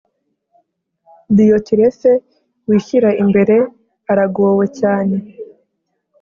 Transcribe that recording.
Diyotirefe wishyira imbere aragowe cyane